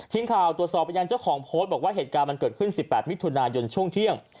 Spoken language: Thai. ทีมข่าวตรวจสอบไปยังเจ้าของโพสต์บอกว่าเหตุการณ์มันเกิดขึ้น๑๘มิถุนายนช่วงเที่ยง